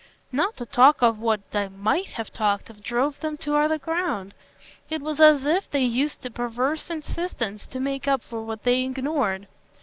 Not to talk of what they MIGHT have talked of drove them to other ground; it was as if they used a perverse insistence to make up what they ignored.